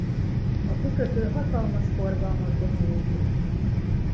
A kikötő hatalmas forgalmat bonyolít le.